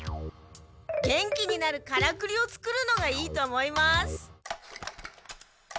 元気になるカラクリを作るのがいいと思います。